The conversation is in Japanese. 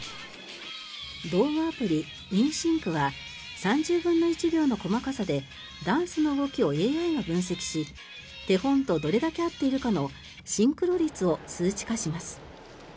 動画アプリ、ｉＮＳＹＮＣは３０分の１秒の細かさでダンスの動きをＡＩが分析し手本とどれだけ合っているかのシンクロ率を数値化します。